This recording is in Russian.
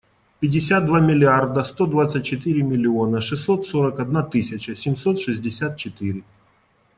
Пятьдесят два миллиарда сто двадцать четыре миллиона шестьсот сорок одна тысяча семьсот шестьдесят четыре.